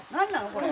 これ。